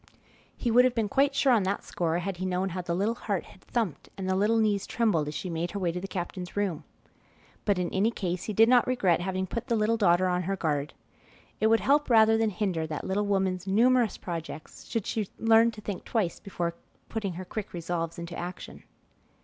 He would have been quite sure on that score had he known how the little heart had thumped and the little knees trembled as she made her way to the captain's room. But in any case he did not regret having put the little daughter on her guard. It would help rather than hinder that little woman's numerous projects should she learn to think twice before putting her quick resolves into action.